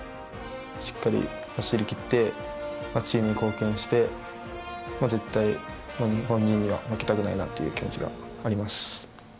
しっかり走りきって、チームに貢献して、絶対、日本人には負けたくないなという気持ちがあります。